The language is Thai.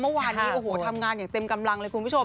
เมื่อวานนี้โอ้โหทำงานอย่างเต็มกำลังเลยคุณผู้ชม